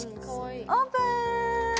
オープン！